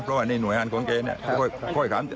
เพราะว่าในหน่วยฮารของเก๋นนะ